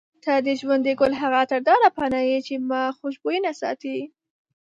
ته د ژوند د ګل هغه عطرداره پاڼه یې چې ما خوشبوینه ساتي.